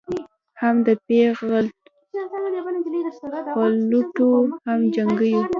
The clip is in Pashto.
هم د پېغلوټو هم جینکیو